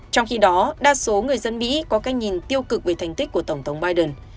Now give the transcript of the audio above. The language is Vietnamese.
trong khi đó đa số người dân mỹ có cách nhìn tiêu cực về thành tích của tổng thống biden